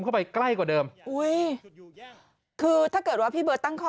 เข้าไปใกล้กว่าเดิมอุ้ยคือถ้าเกิดว่าพี่เบิร์ตตั้งข้อ